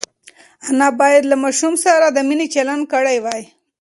انا باید له ماشوم سره د مینې چلند کړی وای.